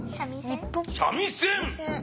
三味線？